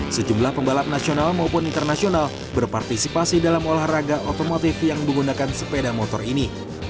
sejumlah pembalap nasional maupun internasional berpartisipasi dalam olahraga otomotif yang menggunakan sepeda motor ini